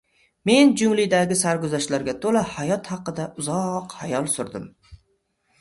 Men junglidagi sarguzashtlarga to‘la hayot haqida uzoq xayol surdim,